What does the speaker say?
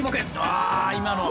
あ今の。